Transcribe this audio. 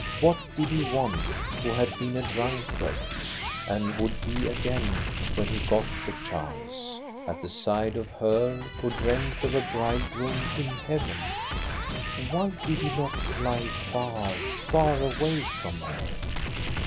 What did he want, who had been a drunkard, and would be again when he got the chance, at the side of her who dreamed of a bridegroom in heaven? Why did he not fly far, far away from her?